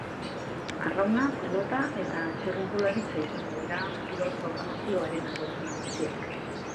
Arrauna, pilota eta txirrindularitza izango dira kirol programazioaren ardatz nagusiak.